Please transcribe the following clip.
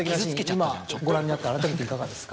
今ご覧になってあらためていかがですか？